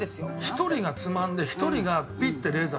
１人がつまんで１人がピッてレーザーをやるんだよ。